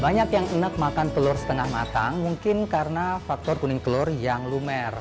banyak yang enak makan telur setengah matang mungkin karena faktor kuning telur yang lumer